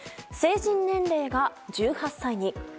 成人年齢が１８歳に。